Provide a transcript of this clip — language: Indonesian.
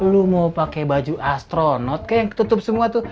lu mau pakai baju astronot kayak yang ketutup semua tuh